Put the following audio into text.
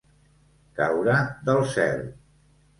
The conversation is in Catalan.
Caure del cel.